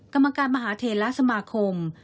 กรรมการมหาเทลและสมาคม